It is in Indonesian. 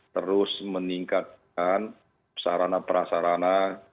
terus meningkatkan sarana perasarana